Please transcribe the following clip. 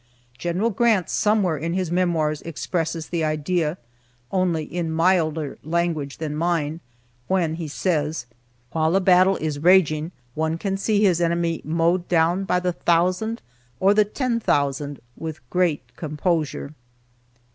Gen. Grant somewhere in his Memoirs expresses the idea (only in milder language than mine) when he says: "While a battle is raging one can see his enemy mowed down by the thousand, or the ten thousand, with great composure."